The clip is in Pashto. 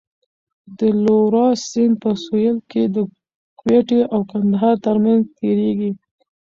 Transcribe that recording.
د لورا سیند په سوېل کې د کویټې او کندهار ترمنځ تېرېږي.